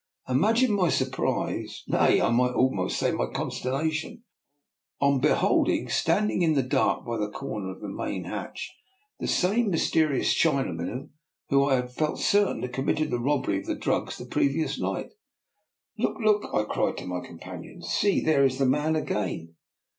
Imagine my surprise — nay, I might almost say my consternation — on beholding, stand ing in the dark by the corner of the main hatch, the same mysterious Chinaman who I felt certain had committed the robbery of the drugs the previous night. Look, look," I cried to my companions; see, there is the man again!